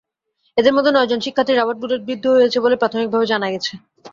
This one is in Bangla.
এঁদের মধ্যে নয়জন শিক্ষার্থী রাবার বুলেটবিদ্ধ হয়েছেন বলে প্রাথমিকভাবে জানা গেছে।